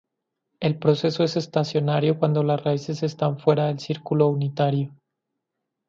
El proceso es estacionario cuando las raíces están fuera del círculo unitario.